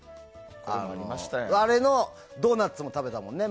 あれのドーナツも食べたもんね。